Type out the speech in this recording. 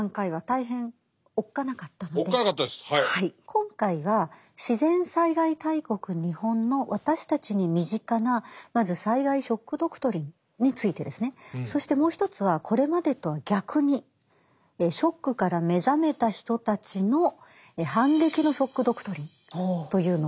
今回は自然災害大国日本の私たちに身近なまず災害ショック・ドクトリンについてですね。そしてもう一つはこれまでとは逆にショックから目覚めた人たちの反撃のショック・ドクトリンというのをご紹介したいと思います。